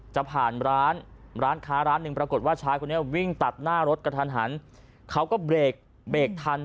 จะผ่านร้านร้านค้าร้านหนึ่งปรากฏว่าชายคนนี้วิ่งตัดหน้ารถกระทันหันเขาก็เบรกเบรกทัน